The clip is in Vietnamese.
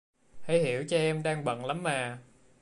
Hãy hiểu cho em đang bận lắm mà